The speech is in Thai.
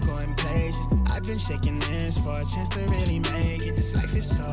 คุณฟ้าย